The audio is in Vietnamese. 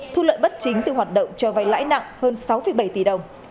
thu lợi bất chính từ hoạt động cho vay lãi nặng hơn sáu bảy tỷ đồng